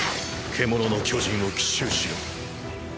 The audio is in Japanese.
獣の巨人を奇襲しろ。